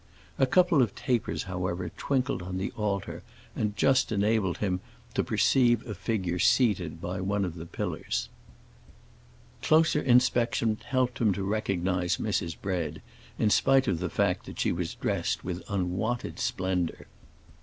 A couple of tapers, however, twinkled on the altar and just enabled him to perceive a figure seated by one of the pillars. Closer inspection helped him to recognize Mrs. Bread, in spite of the fact that she was dressed with unwonted splendor.